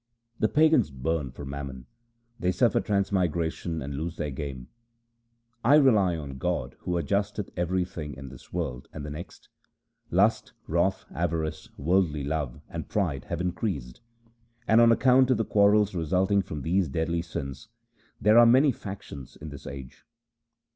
The pagans burn for mammon. They suffer transmigration and lose their game. I rely on God who adjusteth everything in this world and the next. Lust, wrath, avarice, worldly love, and pride have in creased ; And, on account of the quarrels resulting from these deadly sins, there are many factions in this age.